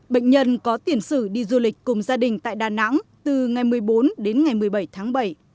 bệnh nhân có tiền sử đi du lịch cùng gia đình tại đà nẵng từ ngày một mươi bốn đến ngày một mươi bảy tháng bảy